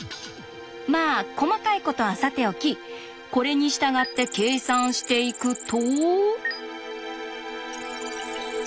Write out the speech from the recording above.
まあ細かいことはさておきこれに従って計算していくと。